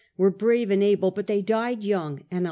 were brave and able, but they died young, and m.